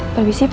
terima kasih pak